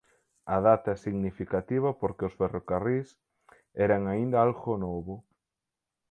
A data é significativa porque os ferrocarrís eran aínda algo novo.